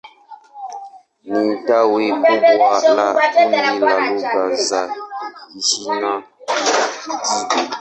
Ni tawi kubwa la kundi la lugha za Kichina-Kitibet.